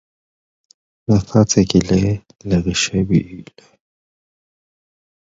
Lee resumed the practice of law after he left the Senate.